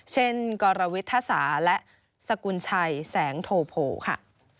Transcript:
เช่นกรวิทธศาและสกุลชัยแสงโทโพค่ะ